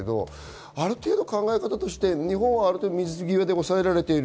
ある程度考え方として日本は水際で抑えられている。